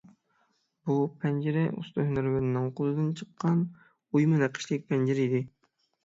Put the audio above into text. بۇ پەنجىرە ئۇستا ھۈنەرۋەننىڭ قولىدىن چىققان ئويما نەقىشلىك پەنجىرە ئىدى.